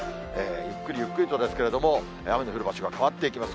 ゆっくりゆっくりとですけれども、雨の降る場所が変わっていきます。